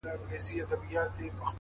علم د ژوند لوری بدلوي